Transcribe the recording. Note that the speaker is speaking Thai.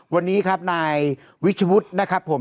วันนี้ครับนายวิชวุฒินะครับผม